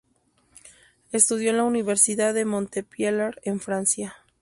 Estudió en la Universidad de Montpellier en Francia.